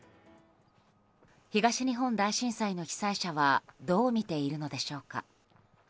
東日本大震災の被災者はどう見ているのでしょうか。